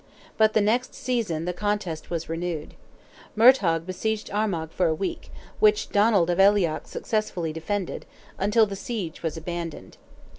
But the next season the contest was renewed. Murtogh besieged Armagh for a week, which Donald of Aileach successfully defended, until the siege was abandoned.